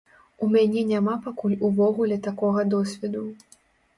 У мяне няма пакуль увогуле такога досведу.